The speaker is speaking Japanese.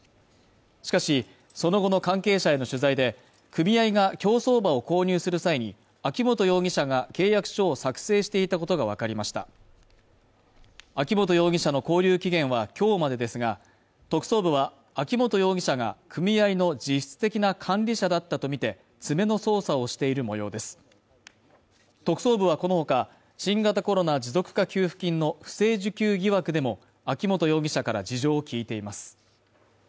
しかしその後の関係者への取材で組合が競走馬を購入する際に秋本容疑者が契約書を作成していたことが分かりました秋本容疑者の勾留期限は今日までですが特捜部は秋本容疑者が組合の実質的な管理者だったとみて詰めの捜査をしているもようです特捜部はこのほか新型コロナ持続化給付金の不正受給疑惑でも秋本容疑者から事情を聞いています